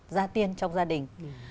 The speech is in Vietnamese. gia tiên trong gia đình